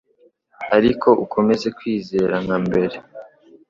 Ariko ukomeze kwizera nka mbere